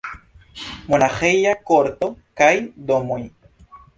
Monaĥeja korto kaj domoj.